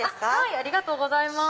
ありがとうございます。